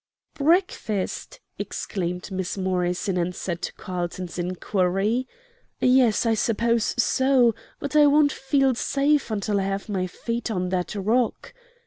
"Breakfast?" exclaimed Miss Morris, in answer to Carlton's inquiry; "yes, I suppose so, but I won't feel safe until I have my feet on that rock."